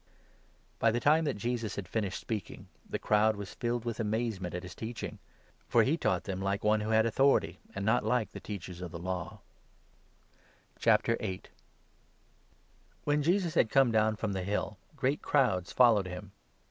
By the time that Jesus had finished speaking, the crowd was filled with amazement at his teaching. For he taught th in like one who had authority, and not like their Teachers of the Law. Cure When Jesus had come down from the hill, great i of o. L«p«r. crowds followed him.